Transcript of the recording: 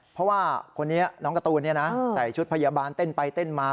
เพราะว่าคนนี้น้องการ์ตูนใส่ชุดพยาบาลเต้นไปเต้นมา